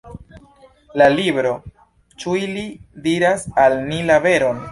La libro Ĉu ili diras al ni la veron?